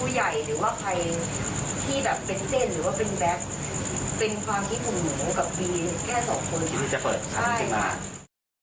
เป็นความที่ของหนูกับบีแค่สองคน